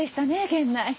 源内。